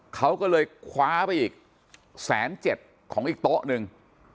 เขาก็เลยคว้าไปอีกแสนเจ็ดของอีกโต๊ะหนึ่ง